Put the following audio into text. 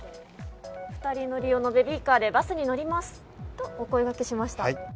２人乗り用のベビーカーでバスに乗りますとお声がけしました。